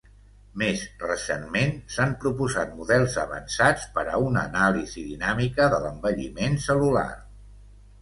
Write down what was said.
Més recentment, s'han proposat models avançats per a una anàlisi dinàmica de l'envelliment cel·lular.